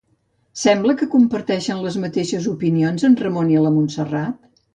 Sembla que comparteixen les mateixes opinions en Ramon i la Montserrat?